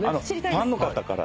ファンの方から？